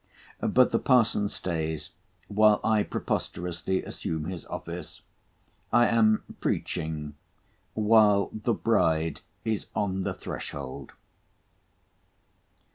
—But the parson stays, while I preposterously assume his office; I am preaching, while the bride is on the threshold.